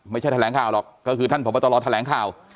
ไม่ใช่แถลงข่าวหรอกก็คือท่านผศแถลงข่าว